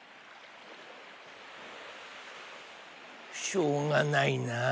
しょうがないな。